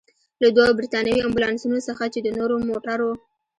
له دوو برتانوي امبولانسونو څخه، چې د نورو موټرو.